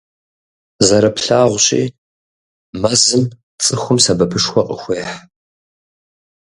Зэрыплъагъущи, мэзым цӀыхум сэбэпышхуэ къыхуехь.